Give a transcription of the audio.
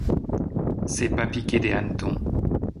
C’est pas piqué des hannetons.